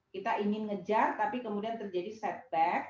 kita ingin ngejar tapi kemudian terjadi setback